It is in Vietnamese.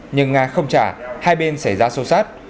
nhưng nga không trả hai bên xảy ra xô xát